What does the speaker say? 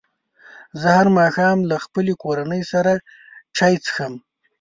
زه هر ماښام له خپلې کورنۍ سره چای څښم.